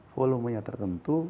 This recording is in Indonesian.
volume nya tertentu